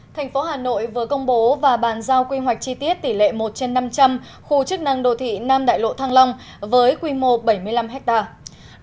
thành phố hà nội vừa công bố và bàn giao quy hoạch chi tiết tỷ lệ một trên năm trăm linh khu chức năng đô thị nam đại lộ thăng long với quy mô bảy mươi năm hectare